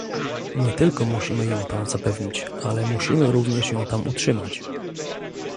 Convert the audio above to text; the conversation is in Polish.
nie tylko musimy ją tam zapewnić, ale musimy również ją tam utrzymać